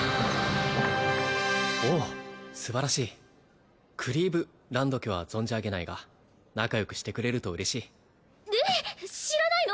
おおすばらしいクリーヴランド家は存じ上げないが仲よくしてくれると嬉しいえっ知らないの？